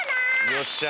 よっしゃー！